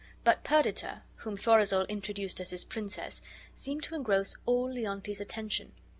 But Perdita, whom Florizel introduced as his princess, seemed to engross all Leontes's attention.